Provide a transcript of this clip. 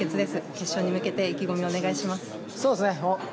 決勝に向けて意気込みをお願いします。